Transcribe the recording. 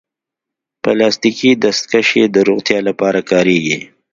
پلاستيکي دستکشې د روغتیا لپاره کارېږي.